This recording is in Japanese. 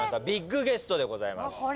ビッグゲストでございます。